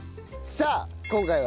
さあ今回は。